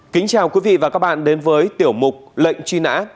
kính chào quý vị và các bạn đến với tiểu mục lệnh truy nã